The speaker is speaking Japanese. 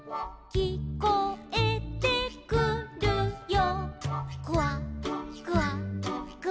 「きこえてくるよ」